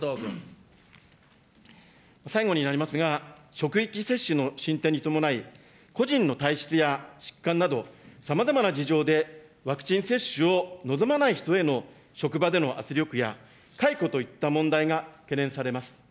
最後になりますが、職域接種の進展に伴い、個人の体質や疾患など、さまざまな事情でワクチン接種を望まない人への職場での圧力や、解雇といった問題が懸念されます。